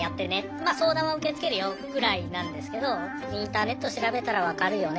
ま相談は受け付けるよぐらいなんですけどインターネット調べたら分かるよね